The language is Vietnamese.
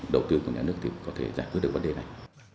đầu tư của nhà nước thì có thể giải quyết được vấn đề này